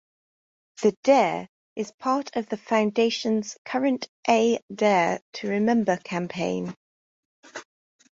The "dare" is part of the foundations current A Dare to Remember campaign.